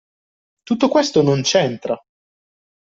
Tutto questo non c'entra!